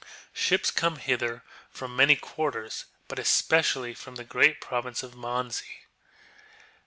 Ships come hither from many quarters, but especi ally from the great province of Manzi.